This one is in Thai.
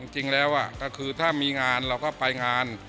จริงแล้วก็คือถ้ามีงานเราก็ไปงาน